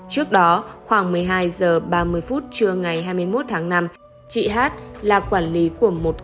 trước đó khoảng một mươi hai h ba mươi trưa ngày hai mươi một tháng năm chị hát là quản lý của một quốc tịch